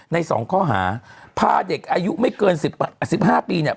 สองข้อหาพาเด็กอายุไม่เกิน๑๕ปีเนี่ย